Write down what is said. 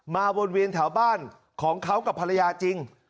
วนเวียนแถวบ้านของเขากับภรรยาจริง